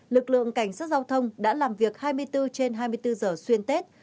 lực lượng cảnh sát giao thông đã làm việc hai mươi bốn trên hai mươi bốn giờ xuyên tết